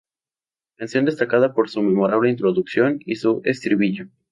Canción destacada por su memorable introducción y su estribillo.